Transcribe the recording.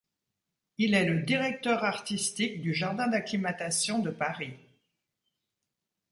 Il est le directeur artistique du jardin d'acclimatation de Paris.